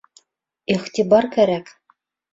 Иғтибар кәрәк.